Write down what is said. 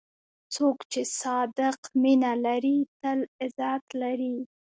څوک چې صادق مینه لري، تل عزت لري.